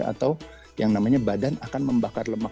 atau yang namanya badan akan membakar lemak